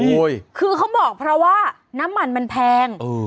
คือเขาบอกเพราะว่าน้ำมันมันแพง